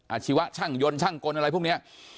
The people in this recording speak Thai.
ชีวะช่างยนต์ช่างกลอะไรพวกนี้